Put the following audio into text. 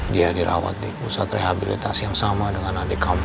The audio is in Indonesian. dia dirawat di pusat rehabilitas yang sama dengan adik kamu